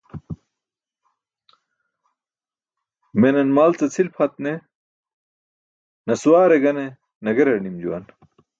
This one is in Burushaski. Menan mal ce cʰil pʰat ne nasawaare gane nagerar nim juwan.